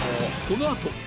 このあと